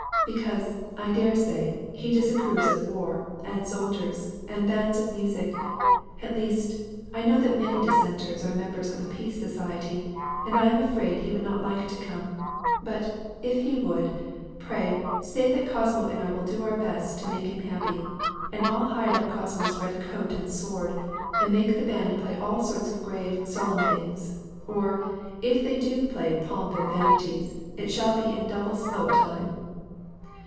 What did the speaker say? "because, I dare say, he disapproves of war, soldiers, and bands of music; at least, I know that many Dissenters are members of the Peace Society, and I am afraid he would not like to come; but, if he would, dear, pray say that Cosmo and I will do our best to make him happy; and I'll hide up Cosmo's red coat and sword, and make the band play all sorts of grave, solemn things; or, if they do play pomps and vanities, it shall be in double slow time.